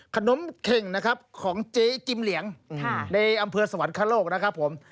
ขนมเข่งนะครับของเจ๊จิมเหลียงในอำเภอสวรรคโลกนะครับผม